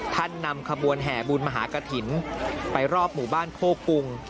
นำขบวนแห่บุญมหากฐินไปรอบหมู่บ้านโคกุง